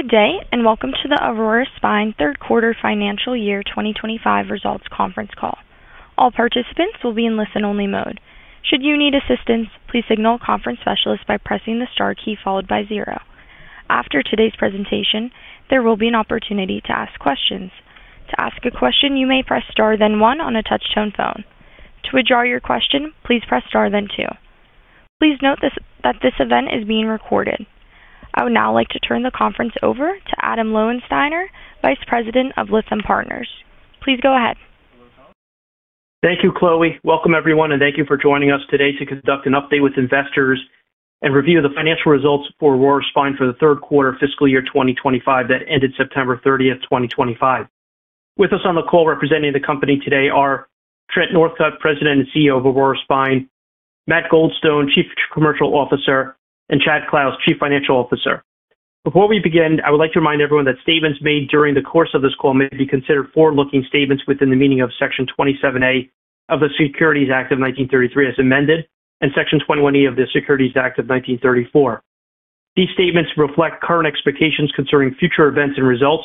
Good day, and welcome to the Aurora Spine third quarter financial year 2025 results conference call. All participants will be in listen-only mode. Should you need assistance, please signal a conference specialist by pressing the star key followed by zero. After today's presentation, there will be an opportunity to ask questions. To ask a question, you may press star then one on a touch-tone phone. To withdraw your question, please press star then two. Please note that this event is being recorded. I would now like to turn the conference over to Adam Lowensteiner, Vice President of Lithium Partners. Please go ahead. Thank you, Chloe. Welcome, everyone, and thank you for joining us today to conduct an update with investors and review the financial results for Aurora Spine for the third quarter fiscal year 2025 that ended September 30, 2025. With us on the call representing the company today are Trent Northcutt, President and CEO of Aurora Spine, Matt Goldstone, Chief Commercial Officer, and Chad Clouse, Chief Financial Officer. Before we begin, I would like to remind everyone that statements made during the course of this call may be considered forward-looking statements within the meaning of Section 27A of the Securities Act of 1933 as amended and Section 21E of the Securities Act of 1934. These statements reflect current expectations concerning future events and results.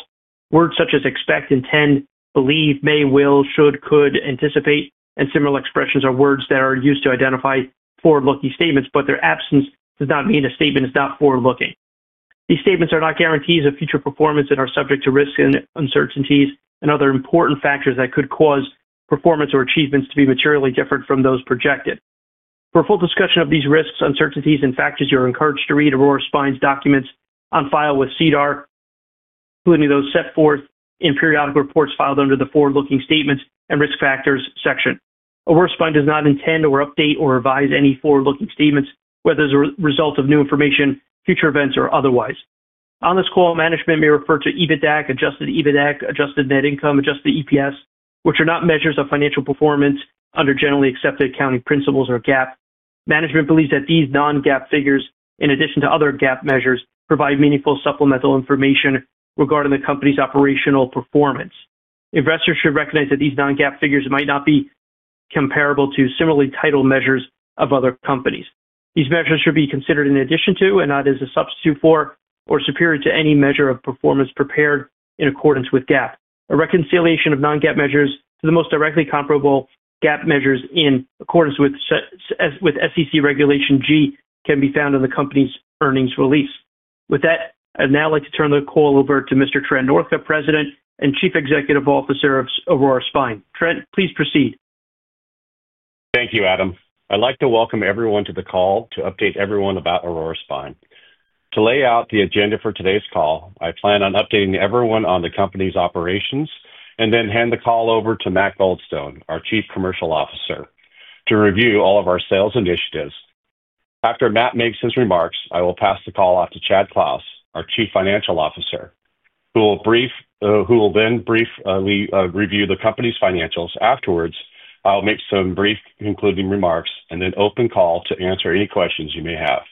Words such as expect, intend, believe, may, will, should, could, anticipate, and similar expressions are words that are used to identify forward-looking statements, but their absence does not mean a statement is not forward-looking. These statements are not guarantees of future performance and are subject to risks and uncertainties and other important factors that could cause performance or achievements to be materially different from those projected. For a full discussion of these risks, uncertainties, and factors, you are encouraged to read Aurora Spine's documents on file with SEDAR, including those set forth in periodic reports filed under the Forward-Looking Statements and Risk Factors section. Aurora Spine does not intend to update or revise any forward-looking statements, whether as a result of new information, future events, or otherwise. On this call, management may refer to EBITDAC, adjusted EBITDAC, adjusted net income, adjusted EPS, which are not measures of financial performance under generally accepted accounting principles or GAAP. Management believes that these non-GAAP figures, in addition to other GAAP measures, provide meaningful supplemental information regarding the company's operational performance. Investors should recognize that these non-GAAP figures might not be comparable to similarly titled measures of other companies. These measures should be considered in addition to and not as a substitute for or superior to any measure of performance prepared in accordance with GAAP. A reconciliation of non-GAAP measures to the most directly comparable GAAP measures in accordance with SEC Regulation G can be found in the company's earnings release. With that, I'd now like to turn the call over to Mr. Trent Northcutt, President and Chief Executive Officer of Aurora Spine. Trent, please proceed. Thank you, Adam. I'd like to welcome everyone to the call to update everyone about Aurora Spine. To lay out the agenda for today's call, I plan on updating everyone on the company's operations and then hand the call over to Matt Goldstone, our Chief Commercial Officer, to review all of our sales initiatives. After Matt makes his remarks, I will pass the call off to Chad Clouse, our Chief Financial Officer, who will then briefly review the company's financials. Afterwards, I'll make some brief concluding remarks and then open call to answer any questions you may have.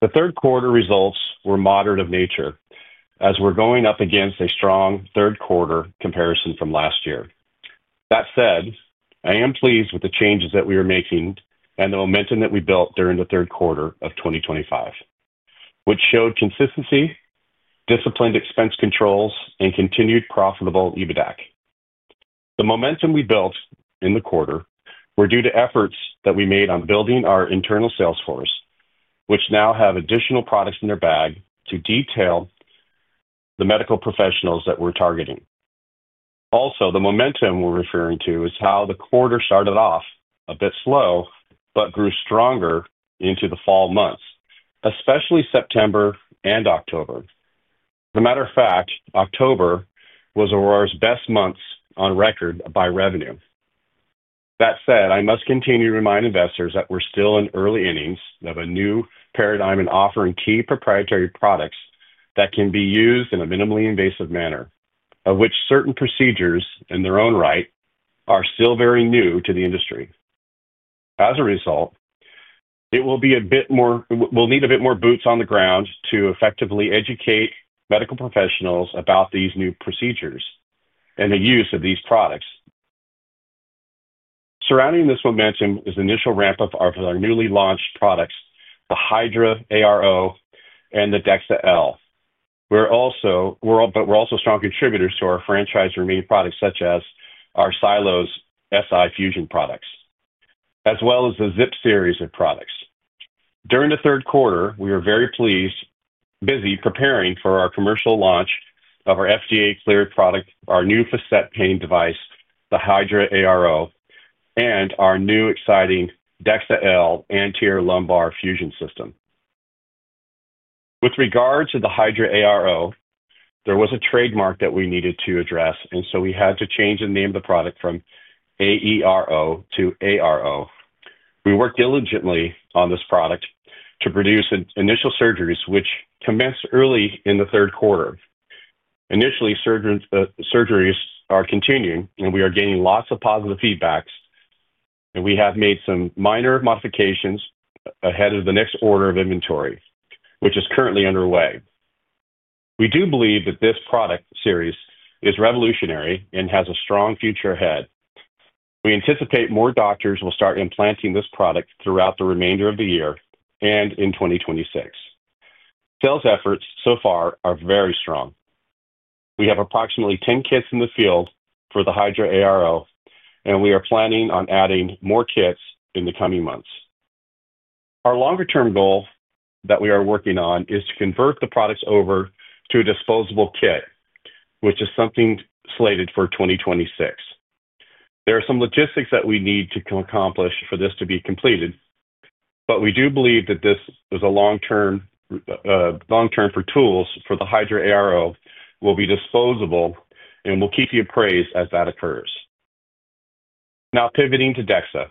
The third quarter results were moderate of nature as we're going up against a strong third quarter comparison from last year. That said, I am pleased with the changes that we are making and the momentum that we built during the third quarter of 2025, which showed consistency, disciplined expense controls, and continued profitable EBITDAC. The momentum we built in the quarter was due to efforts that we made on building our internal sales force, which now have additional products in their bag to detail the medical professionals that we're targeting. Also, the momentum we're referring to is how the quarter started off a bit slow but grew stronger into the fall months, especially September and October. As a matter of fact, October was Aurora Spine's best months on record by revenue. That said, I must continue to remind investors that we're still in early innings of a new paradigm in offering key proprietary products that can be used in a minimally invasive manner, of which certain procedures in their own right are still very new to the industry. As a result, it will be a bit more—we'll need a bit more boots on the ground to effectively educate medical professionals about these new procedures and the use of these products. Surrounding this momentum is the initial ramp-up of our newly launched products, the Hydra ARO and the Dexa L. We're also—but we're also strong contributors to our franchise remaining products, such as our Silo SI Fusion products, as well as the ZIP Series of products. During the third quarter, we are very pleased, busy preparing for our commercial launch of our FDA-cleared product, our new facet pain device, the Hydra ARO, and our new exciting Dexa L anterior lumbar fusion system. With regard to the Hydra ARO, there was a trademark that we needed to address, and so we had to change the name of the product from AERO to ARO. We worked diligently on this product to produce initial surgeries, which commenced early in the third quarter. Initially, surgeries are continuing, and we are gaining lots of positive feedback, and we have made some minor modifications ahead of the next order of inventory, which is currently underway. We do believe that this product series is revolutionary and has a strong future ahead. We anticipate more doctors will start implanting this product throughout the remainder of the year and in 2026. Sales efforts so far are very strong. We have approximately 10 kits in the field for the Hydra ARO, and we are planning on adding more kits in the coming months. Our longer-term goal that we are working on is to convert the products over to a disposable kit, which is something slated for 2026. There are some logistics that we need to accomplish for this to be completed, but we do believe that this is a long-term for tools for the Hydra ARO will be disposable, and we'll keep you appraised as that occurs. Now, pivoting to Dexa,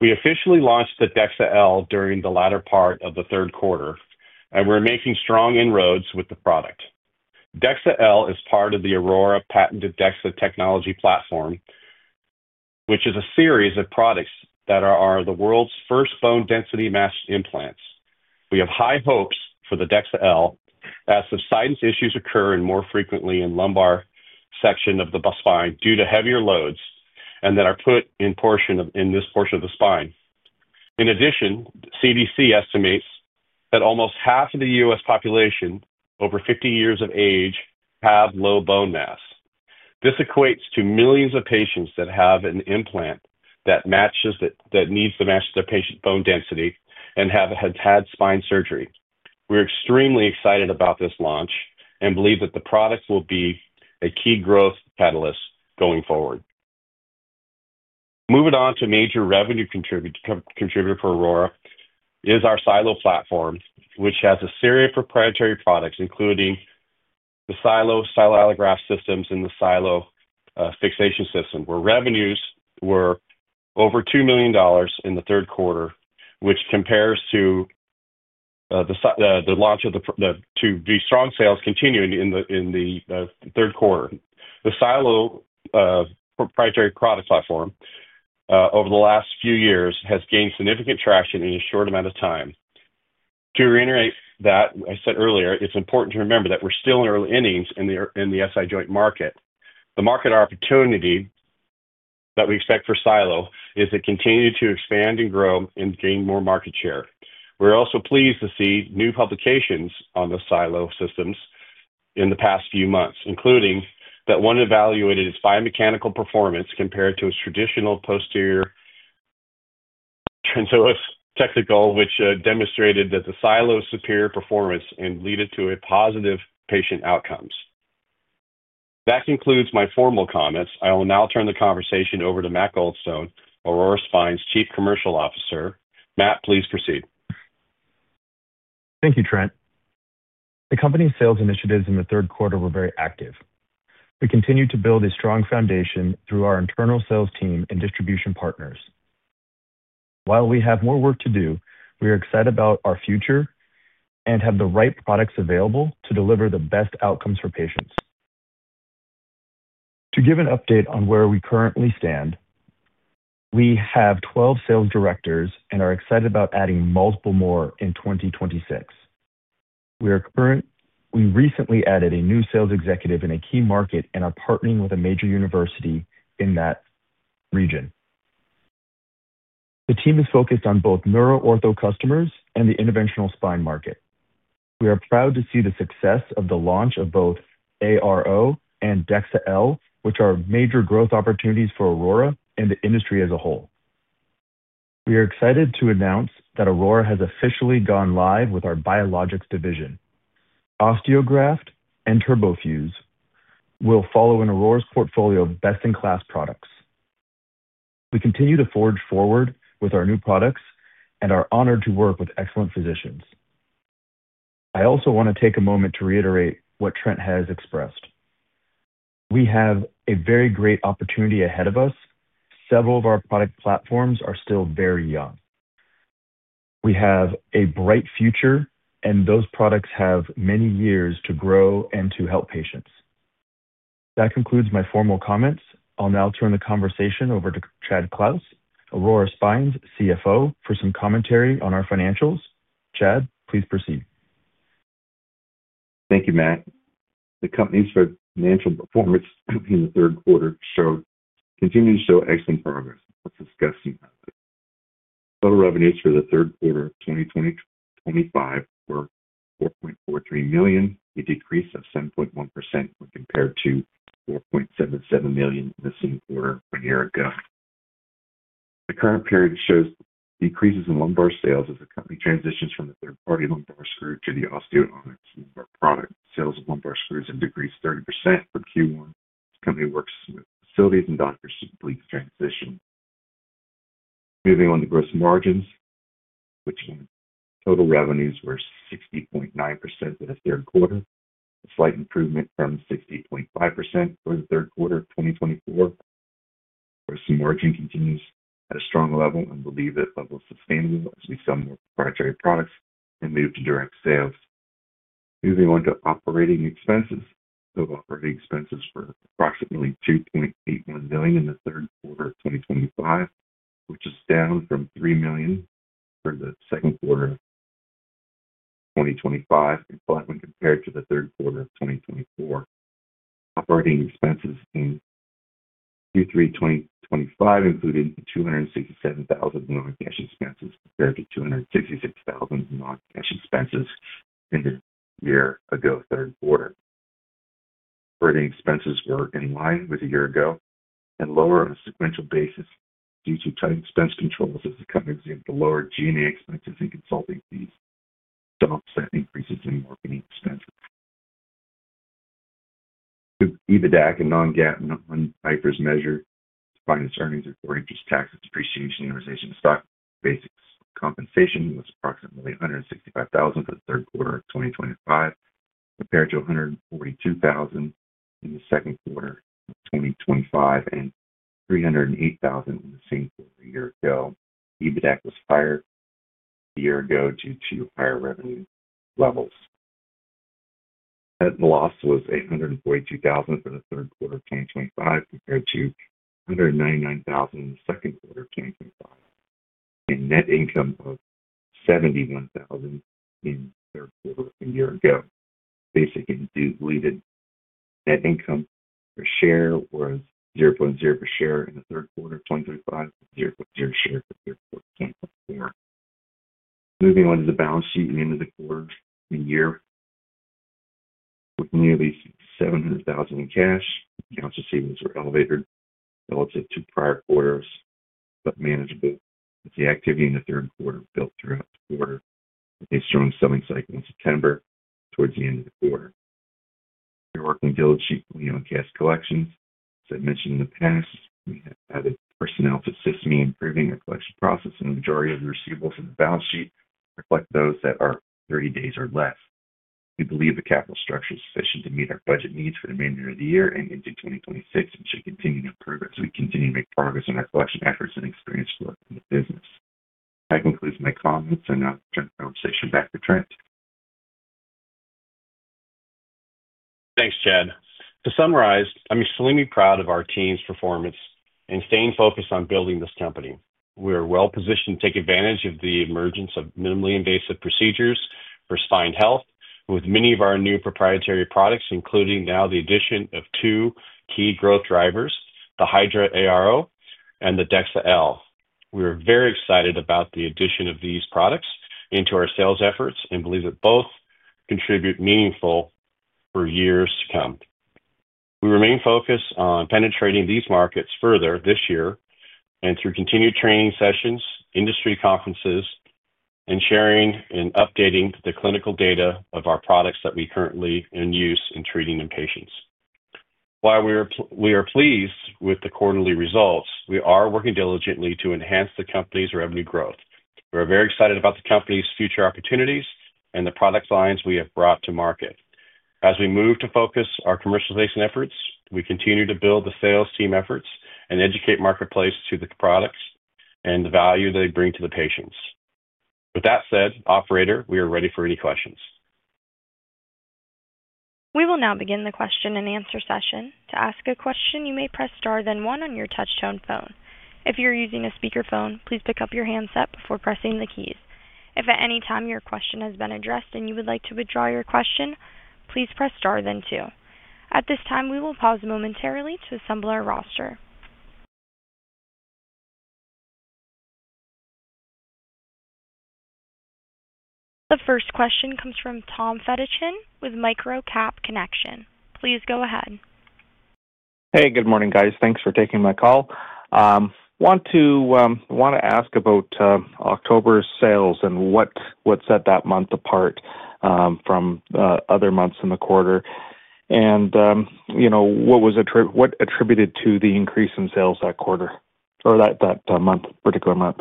we officially launched the Dexa L during the latter part of the third quarter, and we're making strong inroads with the product. Dexa L is part of the Aurora Patented Dexa Technology Platform, which is a series of products that are the world's first bone density-matched implants. We have high hopes for the Dexa L as subsidence issues occur more frequently in the lumbar section of the spine due to heavier loads that are put in this portion of the spine. In addition, CDC estimates that almost half of the U.S. population over 50 years of age have low bone mass. This equates to millions of patients that have an implant that needs to match their patient bone density and have had spine surgery. We're extremely excited about this launch and believe that the product will be a key growth catalyst going forward. Moving on to a major revenue contributor for Aurora Spine is our Silo platform, which has a series of proprietary products, including the Silo SI Fusion systems and the Silo Fixation System, where revenues were over $2 million in the third quarter, which compares to the launch of the—to be strong sales continuing in the third quarter. The Silo proprietary product platform over the last few years has gained significant traction in a short amount of time. To reiterate what I said earlier, it's important to remember that we're still in early innings in the SI joint market. The market opportunity that we expect for Silo is to continue to expand and grow and gain more market share. We're also pleased to see new publications on the Silo systems in the past few months, including that one evaluated its biomechanical performance compared to a traditional posterior transosteotomy goal, which demonstrated that the Silo is superior performance and leading to positive patient outcomes. That concludes my formal comments. I will now turn the conversation over to Matt Goldstone, Aurora Spine's Chief Commercial Officer. Matt, please proceed. Thank you, Trent. The company's sales initiatives in the third quarter were very active. We continue to build a strong foundation through our internal sales team and distribution partners. While we have more work to do, we are excited about our future and have the right products available to deliver the best outcomes for patients. To give an update on where we currently stand, we have 12 sales directors and are excited about adding multiple more in 2026. We recently added a new sales executive in a key market and are partnering with a major university in that region. The team is focused on both neuroortho customers and the interventional spine market. We are proud to see the success of the launch of both Hydra ARO and Dexa L, which are major growth opportunities for Aurora Spine and the industry as a whole. We are excited to announce that Aurora Spine has officially gone live with our biologics division. Osteograft and Turbofuse will follow in Aurora Spine's portfolio of best-in-class products. We continue to forge forward with our new products and are honored to work with excellent physicians. I also want to take a moment to reiterate what Trent has expressed. We have a very great opportunity ahead of us. Several of our product platforms are still very young. We have a bright future, and those products have many years to grow and to help patients. That concludes my formal comments. I'll now turn the conversation over to Chad Clouse, Aurora Spine's CFO, for some commentary on our financials. Chad, please proceed. Thank you, Matt. The company's financial performance in the third quarter continued to show excellent progress. Let's discuss some of it. Total revenues for the third quarter of 2025 were $4.43 million, a decrease of 7.1% when compared to $4.77 million in the same quarter a year ago. The current period shows decreases in lumbar sales as the company transitions from the third-party lumbar screw to the osteotomics lumbar product. Sales of lumbar screws have decreased 30% for Q1. The company works with facilities and doctors to complete the transition. Moving on to gross margins, which total revenues were 60.9% for the third quarter, a slight improvement from 60.5% for the third quarter of 2024. Gross margin continues at a strong level and believe that level is sustainable as we sell more proprietary products and move to direct sales. Moving on to operating expenses, total operating expenses were approximately $2.81 million in the third quarter of 2025, which is down from $3 million for the second quarter of 2025 when compared to the third quarter of 2024. Operating expenses in Q3 2025 included $267,000 non-cash expenses compared to $266,000 non-cash expenses in the year ago third quarter. Operating expenses were in line with a year ago and lower on a sequential basis due to tight expense controls as the company was able to lower G&A expenses and consulting fees, some offset increases in marketing expenses. EBITDAC and non-GAAP and non-IFRS measured to finance earnings are for interest, tax, depreciation, and reservation of stock-based compensation was approximately $165,000 for the third quarter of 2025 compared to $142,000 in the second quarter of 2025 and $308,000 in the same quarter a year ago. EBITDAC was higher a year ago due to higher revenue levels. Net loss was $842,000 for the third quarter of 2025 compared to $199,000 in the second quarter of 2025 and net income of $71,000 in the third quarter a year ago. Basic and diluted net income per share was $0.00 per share in the third quarter of 2025, $0.00 per share for the third quarter of 2024. Moving on to the balance sheet and end of the quarter and year, with nearly $700,000 in cash, accounts receivables were elevated relative to prior quarters but manageable with the activity in the third quarter built throughout the quarter with a strong selling cycle in September towards the end of the quarter. We're working diligently on cash collections. As I mentioned in the past, we have added personnel to assist me in improving our collection process, and the majority of the receivables in the balance sheet reflect those that are 30 days or less. We believe the capital structure is sufficient to meet our budget needs for the remainder of the year and into 2026 and should continue to improve as we continue to make progress in our collection efforts and experience working in the business. That concludes my comments. I now turn the conversation back to Trent. Thanks, Chad. To summarize, I'm extremely proud of our team's performance and staying focused on building this company. We are well positioned to take advantage of the emergence of minimally invasive procedures for spine health with many of our new proprietary products, including now the addition of two key growth drivers, the Hydra ARO and the Dexa L. We are very excited about the addition of these products into our sales efforts and believe that both contribute meaningfully for years to come. We remain focused on penetrating these markets further this year and through continued training sessions, industry conferences, and sharing and updating the clinical data of our products that we currently use in treating in patients. While we are pleased with the quarterly results, we are working diligently to enhance the company's revenue growth. We are very excited about the company's future opportunities and the product lines we have brought to market. As we move to focus our commercialization efforts, we continue to build the sales team efforts and educate the marketplace to the products and the value they bring to the patients. With that said, operator, we are ready for any questions. We will now begin the question and answer session. To ask a question, you may press star then one on your touch-tone phone. If you're using a speakerphone, please pick up your handset before pressing the keys. If at any time your question has been addressed and you would like to withdraw your question, please press star then two. At this time, we will pause momentarily to assemble our roster. The first question comes from Tom Fedichin with Microcap Connection. Please go ahead. Hey, good morning, guys. Thanks for taking my call. I want to ask about October's sales and what set that month apart from other months in the quarter and what attributed to the increase in sales that quarter or that particular month.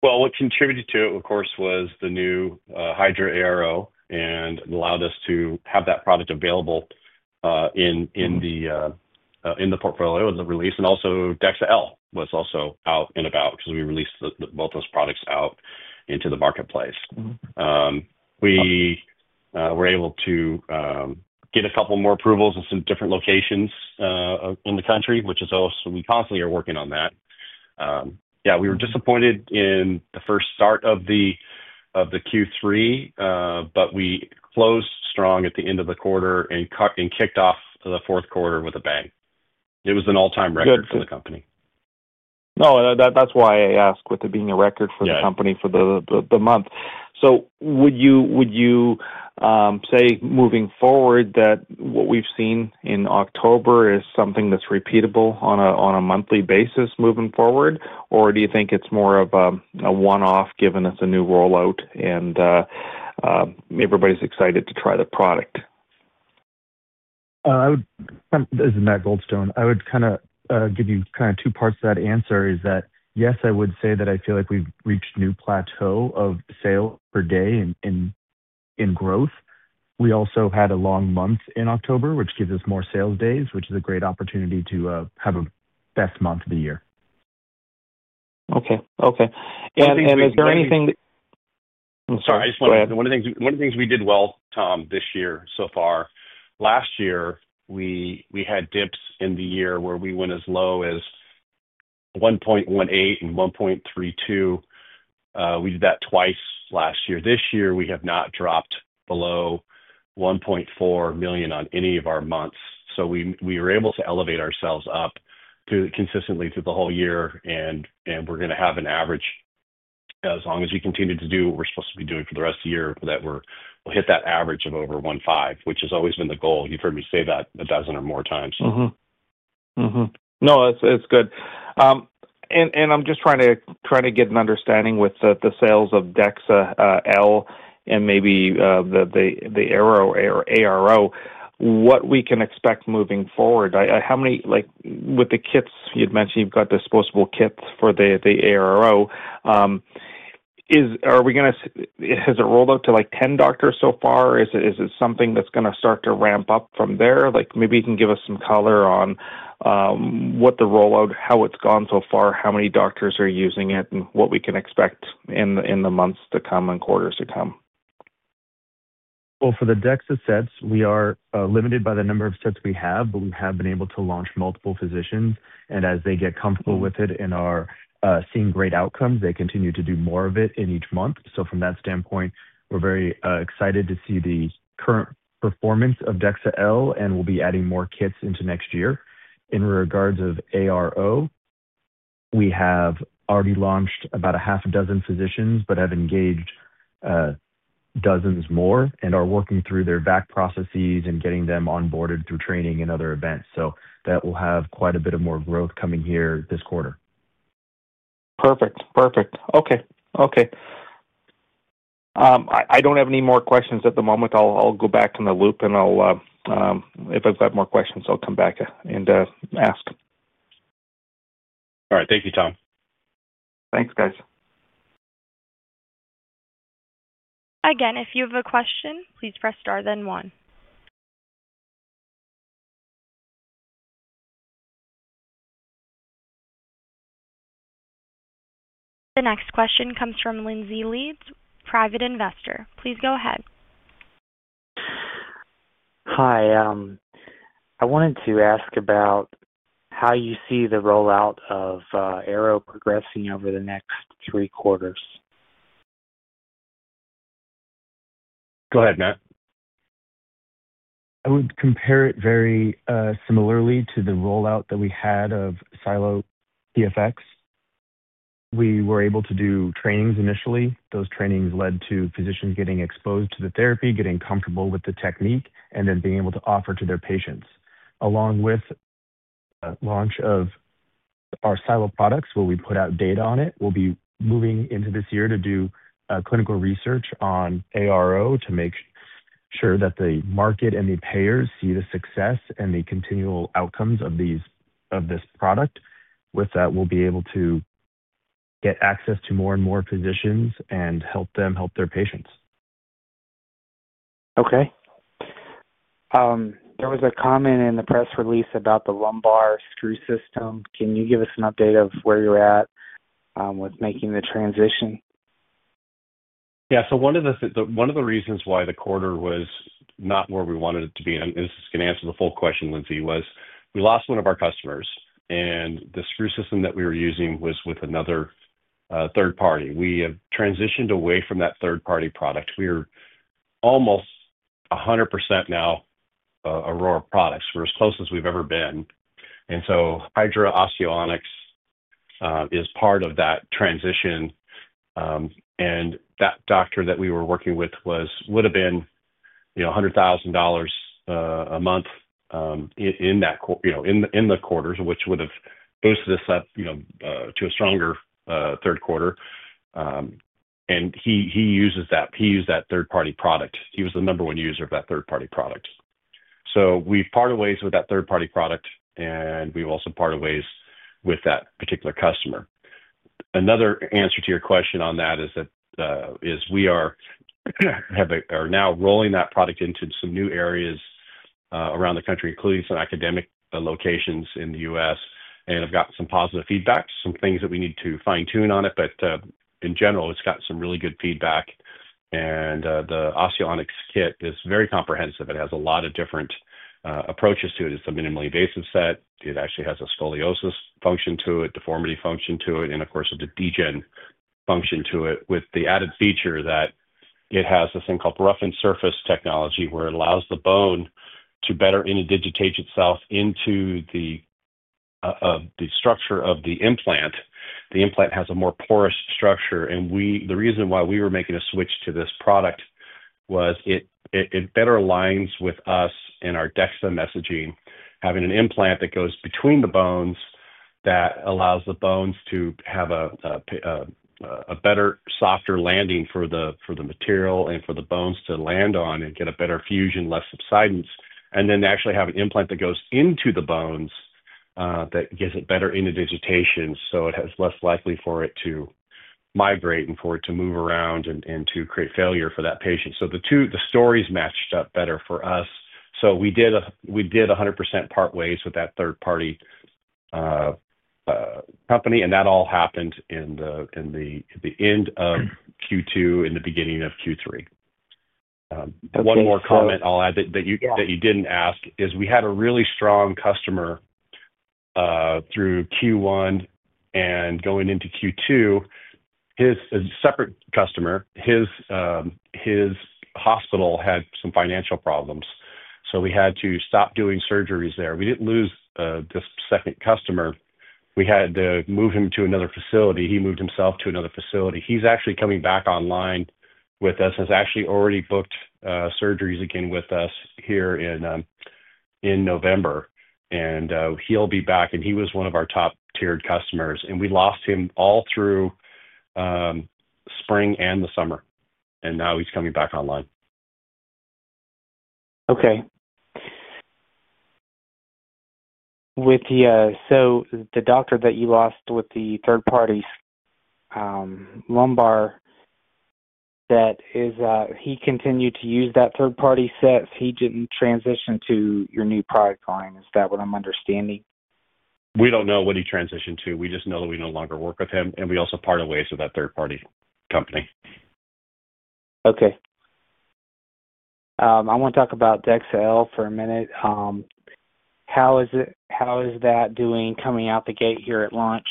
What contributed to it, of course, was the new Hydra ARO and allowed us to have that product available in the portfolio as a release. Also, Dexa L was also out and about because we released both those products out into the marketplace. We were able to get a couple more approvals in some different locations in the country, which is also we constantly are working on that. Yeah, we were disappointed in the first start of the Q3, but we closed strong at the end of the quarter and kicked off the fourth quarter with a bang. It was an all-time record for the company. Good. No, that's why I asked, with it being a record for the company for the month. Would you say, moving forward, that what we've seen in October is something that's repeatable on a monthly basis moving forward, or do you think it's more of a one-off given it's a new rollout and everybody's excited to try the product? As Matt Goldstone, I would kind of give you kind of two parts to that answer is that, yes, I would say that I feel like we've reached a new plateau of sales per day in growth. We also had a long month in October, which gives us more sales days, which is a great opportunity to have a best month of the year. Okay. Okay. Is there anything that—I'm sorry. Sorry. One of the things we did well, Tom, this year so far. Last year, we had dips in the year where we went as low as $1.18 million and $1.32 million. We did that twice last year. This year, we have not dropped below $1.4 million on any of our months. We were able to elevate ourselves up consistently through the whole year, and we're going to have an average as long as we continue to do what we're supposed to be doing for the rest of the year that we'll hit that average of over $1.5 million, which has always been the goal. You've heard me say that a dozen or more times. No, it's good. I'm just trying to get an understanding with the sales of Dexa L and maybe the ARO, what we can expect moving forward. With the kits, you'd mentioned you've got disposable kits for the ARO. Are we going to—has it rolled out to like 10 doctors so far? Is it something that's going to start to ramp up from there? Maybe you can give us some color on what the rollout, how it's gone so far, how many doctors are using it, and what we can expect in the months to come and quarters to come. For the Dexa sets, we are limited by the number of sets we have, but we have been able to launch multiple physicians. As they get comfortable with it and are seeing great outcomes, they continue to do more of it in each month. From that standpoint, we are very excited to see the current performance of Dexa L and will be adding more kits into next year. In regards to Hydra ARO, we have already launched about half a dozen physicians but have engaged dozens more and are working through their back processes and getting them onboarded through training and other events. That will have quite a bit more growth coming here this quarter. Perfect. Okay. I don't have any more questions at the moment. I'll go back in the loop, and if I've got more questions, I'll come back and ask. All right. Thank you, Tom. Thanks, guys. Again, if you have a question, please press star then one. The next question comes from Lindsay Leeds, private investor. Please go ahead. Hi. I wanted to ask about how you see the rollout of ARO progressing over the next three quarters. Go ahead, Matt. I would compare it very similarly to the rollout that we had of Silo-TFX. We were able to do trainings initially. Those trainings led to physicians getting exposed to the therapy, getting comfortable with the technique, and then being able to offer to their patients. Along with the launch of our Silo products, where we put out data on it, we will be moving into this year to do clinical research on Hydra ARO to make sure that the market and the payers see the success and the continual outcomes of this product. With that, we will be able to get access to more and more physicians and help them help their patients. Okay. There was a comment in the press release about the lumbar screw system. Can you give us an update of where you're at with making the transition? Yeah. One of the reasons why the quarter was not where we wanted it to be, and this is going to answer the full question, Lindsay, was we lost one of our customers, and the screw system that we were using was with another third party. We have transitioned away from that third-party product. We are almost 100% now Aurora products. We're as close as we've ever been. Hydra ARO is part of that transition. That doctor that we were working with would have been $100,000 a month in the quarters, which would have boosted us up to a stronger third quarter. He used that third-party product. He was the number one user of that third-party product. We parted ways with that third-party product, and we've also parted ways with that particular customer. Another answer to your question on that is we are now rolling that product into some new areas around the country, including some academic locations in the U.S., and have gotten some positive feedback, some things that we need to fine-tune on it. In general, it's got some really good feedback. The Osteo Onyx kit is very comprehensive. It has a lot of different approaches to it. It's a minimally invasive set. It actually has a scoliosis function to it, deformity function to it, and, of course, a degen function to it with the added feature that it has this thing called roughened surface technology where it allows the bone to better indigitate itself into the structure of the implant. The implant has a more porous structure. The reason why we were making a switch to this product was it better aligns with us and our Dexa messaging, having an implant that goes between the bones that allows the bones to have a better, softer landing for the material and for the bones to land on and get a better fusion, less subsidence, and then actually have an implant that goes into the bones that gives it better indigitation. It is less likely for it to migrate and for it to move around and to create failure for that patient. The stories matched up better for us. We did 100% part ways with that third-party company, and that all happened in the end of Q2, in the beginning of Q3. One more comment I'll add that you did not ask is we had a really strong customer through Q1 and going into Q2. His separate customer, his hospital had some financial problems. We had to stop doing surgeries there. We did not lose this second customer. We had to move him to another facility. He moved himself to another facility. He is actually coming back online with us. He is actually already booked surgeries again with us here in November. He will be back. He was one of our top-tiered customers. We lost him all through spring and the summer. Now he is coming back online. Okay. So the doctor that you lost with the third-party lumbar set, he continued to use that third-party set. He didn't transition to your new product line. Is that what I'm understanding? We don't know what he transitioned to. We just know that we no longer work with him. We also parted ways with that third-party company. Okay. I want to talk about Dexa L for a minute. How is that doing coming out the gate here at launch?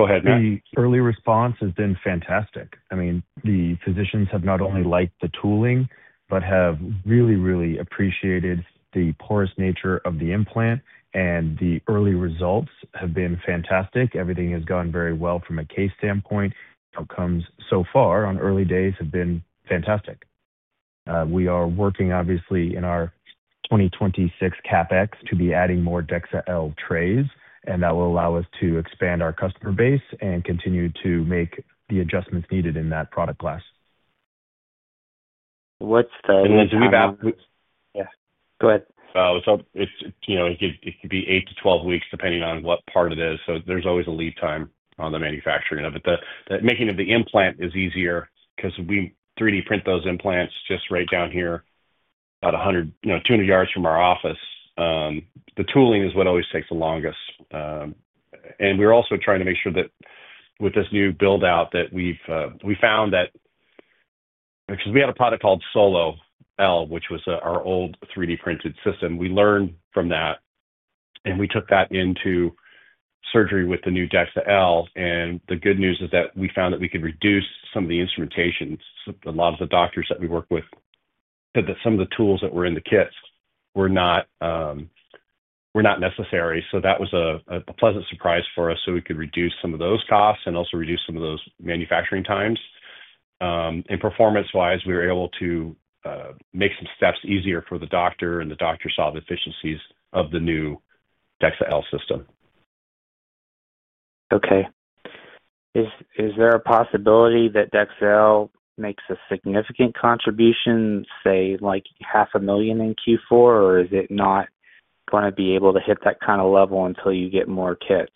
Go ahead, Matt. The early response has been fantastic. I mean, the physicians have not only liked the tooling but have really, really appreciated the porous nature of the implant. The early results have been fantastic. Everything has gone very well from a case standpoint. Outcomes so far on early days have been fantastic. We are working, obviously, in our 2026 CapEx to be adding more Dexa L trays, and that will allow us to expand our customer base and continue to make the adjustments needed in that product class. What's the—yeah. Go ahead. It could be 8-12 weeks depending on what part it is. There is always a lead time on the manufacturing of it. The making of the implant is easier because we 3D print those implants just right down here, about 200 yards from our office. The tooling is what always takes the longest. We are also trying to make sure that with this new build-out that we have found that because we had a product called Solo L, which was our old 3D printed system. We learned from that, and we took that into surgery with the new Dexa L. The good news is that we found that we could reduce some of the instrumentations. A lot of the doctors that we work with said that some of the tools that were in the kits were not necessary. That was a pleasant surprise for us so we could reduce some of those costs and also reduce some of those manufacturing times. Performance-wise, we were able to make some steps easier for the doctor, and the doctor saw the efficiencies of the new Dexa L system. Okay. Is there a possibility that Dexa L makes a significant contribution, say, like $500,000 in Q4, or is it not going to be able to hit that kind of level until you get more kits?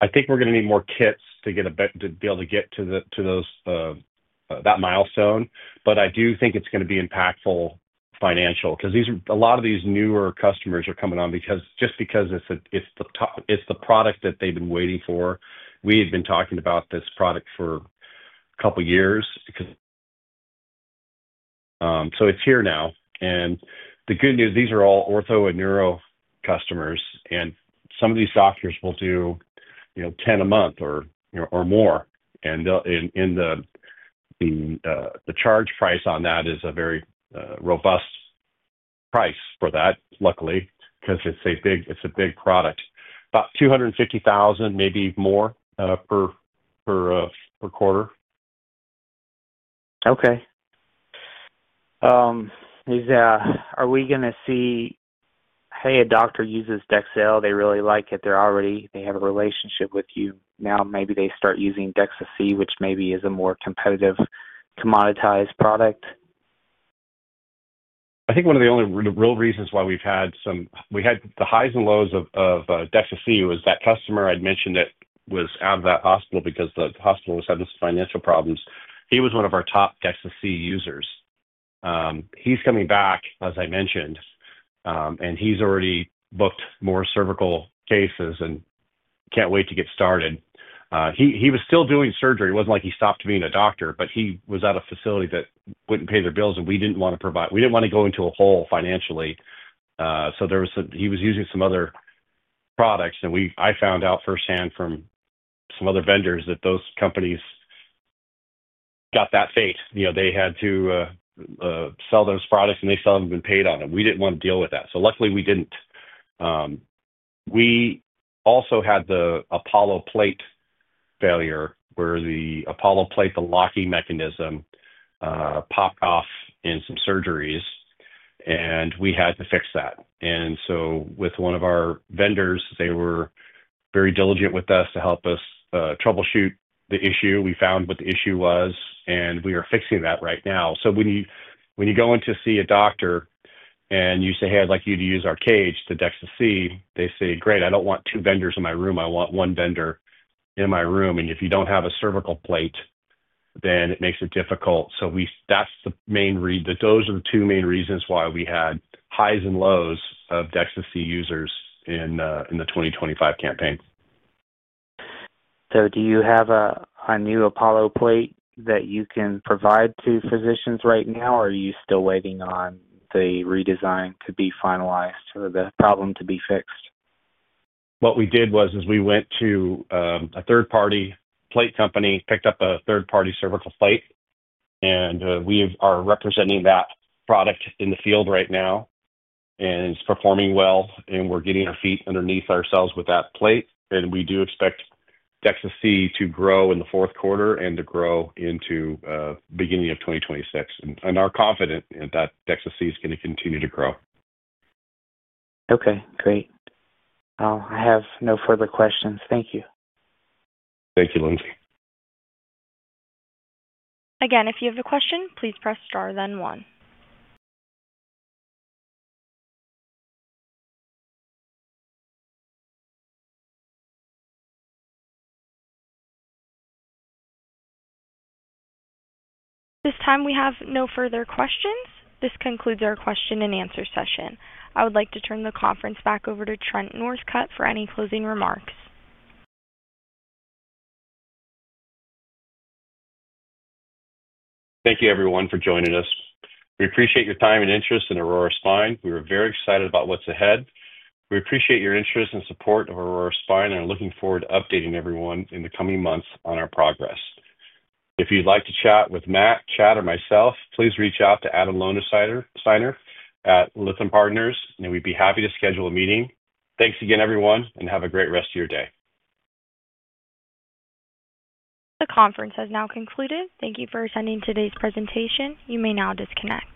I think we're going to need more kits to be able to get to that milestone. I do think it's going to be impactful financially because a lot of these newer customers are coming on just because it's the product that they've been waiting for. We had been talking about this product for a couple of years. It's here now. The good news, these are all ortho and neuro customers. Some of these doctors will do 10 a month or more. The charge price on that is a very robust price for that, luckily, because it's a big product. About $250,000, maybe more per quarter. Okay. Are we going to see, "Hey, a doctor uses Dexa L. They really like it. They have a relationship with you. Now, maybe they start using Dexa C, which maybe is a more competitive commoditized product? I think one of the only real reasons why we've had some—we had the highs and lows of Dexa C was that customer I'd mentioned that was out of that hospital because the hospital was having some financial problems. He was one of our top Dexa C users. He's coming back, as I mentioned, and he's already booked more cervical cases and can't wait to get started. He was still doing surgery. It wasn't like he stopped being a doctor, but he was at a facility that wouldn't pay their bills, and we didn't want to provide—we didn't want to go into a hole financially. He was using some other products. I found out firsthand from some other vendors that those companies got that fate. They had to sell those products, and they seldom have been paid on them. We didn't want to deal with that. Luckily, we didn't. We also had the Apollo Plate failure where the Apollo Plate, the locking mechanism, popped off in some surgeries, and we had to fix that. With one of our vendors, they were very diligent with us to help us troubleshoot the issue. We found what the issue was, and we are fixing that right now. When you go in to see a doctor and you say, "Hey, I'd like you to use our cage, the Dexa C," they say, "Great. I don't want two vendors in my room. I want one vendor in my room." If you don't have a cervical plate, then it makes it difficult. That's the main reason—those are the two main reasons why we had highs and lows of Dexa C users in the 2025 campaign. Do you have a new Apollo Plate that you can provide to physicians right now, or are you still waiting on the redesign to be finalized or the problem to be fixed? What we did was we went to a third-party plate company, picked up a third-party cervical plate, and we are representing that product in the field right now. It is performing well, and we are getting our feet underneath ourselves with that plate. We do expect Dexa C to grow in the fourth quarter and to grow into the beginning of 2026. We are confident that Dexa C is going to continue to grow. Okay. Great. I have no further questions. Thank you. Thank you, Lindsay. Again, if you have a question, please press star then one. This time, we have no further questions. This concludes our question-and-answer session. I would like to turn the conference back over to Trent Northcutt for any closing remarks. Thank you, everyone, for joining us. We appreciate your time and interest in Aurora Spine. We are very excited about what's ahead. We appreciate your interest and support of Aurora Spine and are looking forward to updating everyone in the coming months on our progress. If you'd like to chat with Matt, Chad, or myself, please reach out to Adam Lowensteiner at Lithium Partners, and we'd be happy to schedule a meeting. Thanks again, everyone, and have a great rest of your day. The conference has now concluded. Thank you for attending today's presentation. You may now disconnect.